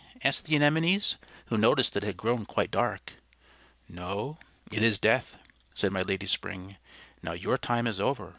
asked the Anemones, who noticed that it had grown quite dark. "No; it is Death," said my Lady Spring. "Now your time is over.